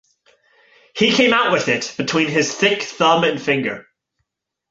He came out with it between his thick thumb and finger.